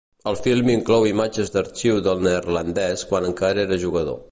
El film inclou imatges d'arxiu del neerlandès quan encara era jugador.